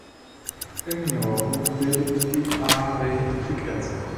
Im Norden bildet die Aare die Grenze.